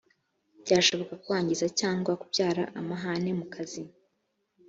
byashobora kwangiza cyangwa kubyara amahane mu kazi